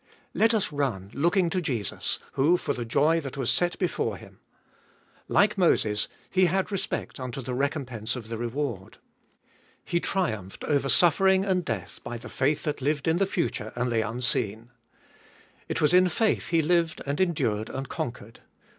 Let us run, looking to Jesus, who for the joy that was set "before Him. Like Moses, He had respect unto the recompense of the reward. He triumphed over suffering and death by the faith that lived in the future and the unseen. It was in faith He lived and endured and conquered.